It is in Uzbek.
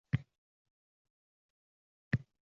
Botir firqa shu qabilda o‘n-o‘n beshtacha chinor ekdi.